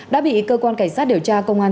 đã bị cơ quan cảnh sát điều tra công an